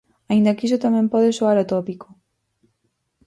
Aínda que iso tamén pode soar a tópico.